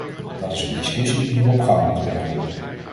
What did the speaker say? Dit is een discussie die we op gang moeten brengen.